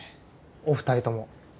お二人とも。